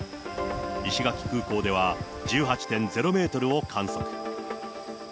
石垣空港では１８．０メートルを観測。